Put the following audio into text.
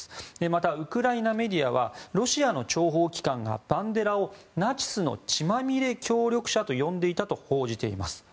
またウクライナメディアはロシアの諜報機関がバンデラをナチスの血まみれ協力者と呼んでいたと報じています。